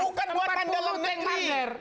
bukan buat pandal mender